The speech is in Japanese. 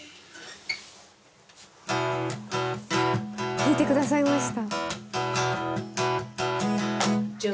弾いてくださいました。